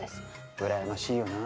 うらやましいよな。